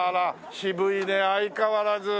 渋いね相変わらず。